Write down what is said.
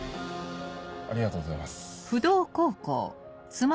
ありがとうございます。